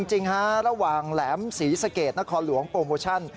จริงฮะระหว่างแหลมศรีสะเกดนครหลวงโปรโมชั่น